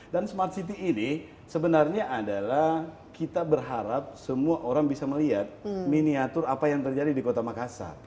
dan smart city ini sebenarnya adalah kita berharap semua orang bisa melihat miniatur apa yang terjadi di kota makassar